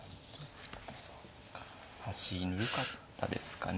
そっか端ぬるかったですかね。